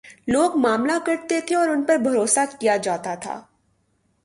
لوگ معاملہ کرتے تھے اور ان پر بھروسہ کیا جا تا تھا۔